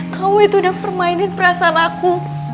kau itu udah permainin perasaan aku